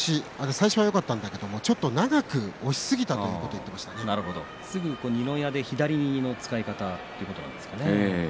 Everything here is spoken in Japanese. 最初はよかったんだけれどもちょっと長く押しすぎたすぐに二の矢で左の使い方ということなんでしょうかね。